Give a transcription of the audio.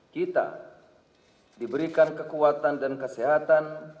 kita diberikan kekuatan dan kesehatan